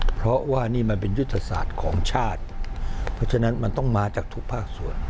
เพราะว่านี่มันเป็นยุทธศาสตร์ของชาติเพราะฉะนั้นมันต้องมาจากทุกภาคส่วน